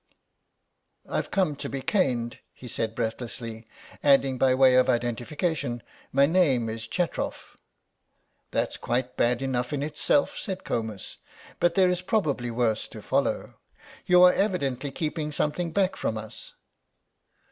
"I've come to be caned," he said breathlessly; adding by way of identification, "my name's Chetrof." "That's quite bad enough in itself," said Comus, "but there is probably worse to follow. You are evidently keeping something back from us."